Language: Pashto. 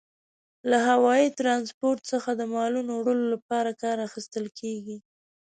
له هوايي ترانسپورت څخه د مالونو وړلو لپاره کار اخیستل کیږي.